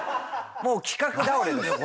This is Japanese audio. もう企画倒れです。